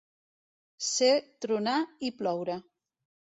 Ser tronar i ploure.